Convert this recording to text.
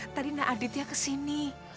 tadi nak aditya kesini